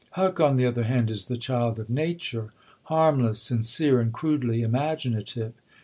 Huck, on the other hand, is the child of nature, harmless, sincere, and crudely imaginative.